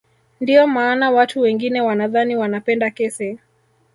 Ndio maana watu wengine wanadhani wanapenda kesi